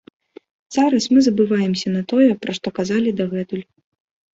Зараз мы забываемся на тое, пра што казалі дагэтуль.